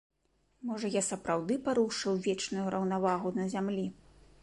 Можа, я сапраўды парушыў вечную раўнавагу на зямлі?